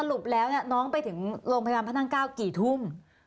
สรุปแล้วน้องไปถึงโรงพยาบาลพนัก๙กี่ทุ่ม